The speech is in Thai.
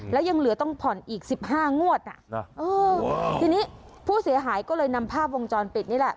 แล้วยังเหลือต้องผ่อนอีกสิบห้างวดอ่ะนะเออทีนี้ผู้เสียหายก็เลยนำภาพวงจรปิดนี่แหละ